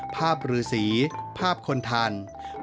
ภาพฤศีร์ภาพคนธรรม